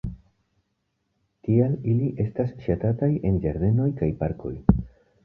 Tial ili estas ŝatataj en ĝardenoj kaj parkoj.